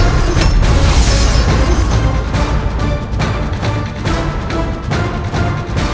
tidak ada namanya